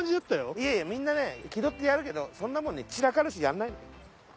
いやいやみんなねえ気取ってやるけどんなもんね散らかるしやんないのよ。